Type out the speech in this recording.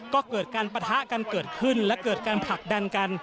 ก็เกิดการปะทะกันเกิดขึ้นและเกิดการผลักดันกัน